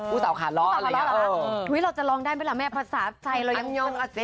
อุตสาวขาล้อเราจะลองได้ไหมแม่ภาษาไทย